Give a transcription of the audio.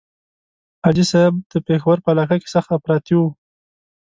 حاجي صاحب د پېښور په علاقه کې سخت افراطي وو.